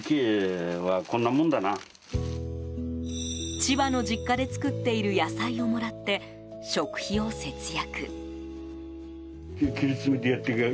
千葉の実家で作っている野菜をもらって、食費を節約。